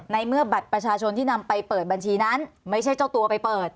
ในเมื่อบัตรประชาชนที่นำไปเปิดบัญชีนั้นไม่ใช่เจ้าตัวไปเปิด